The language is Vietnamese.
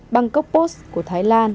bangkok post của thái lan